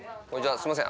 すいません